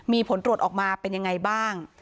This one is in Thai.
มีผลตรวจออกมาเป็นยังไงบ้าง